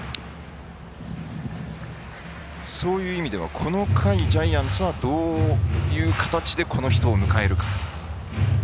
そういう意味ではこの回、ジャイアンツはどういう形でこの人を迎えるか。